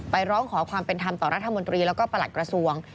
ร้องขอความเป็นธรรมต่อรัฐมนตรีแล้วก็ประหลัดกระทรวง